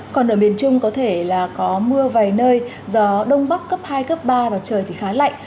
còn ở miền trung có thể là có mưa vài nơi gió đông bắc cấp hai cấp ba và trời thì khá lạnh